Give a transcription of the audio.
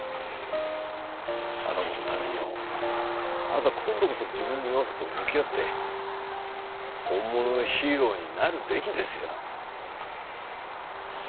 あの子のためにもあなた今度こそ自分の弱さと向き合って本物のヒーローになるべきですよ。